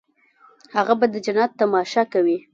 هغه به د جنت تماشه کوي.